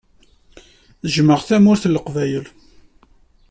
Jjmeɣ Tamurt n Leqbayel.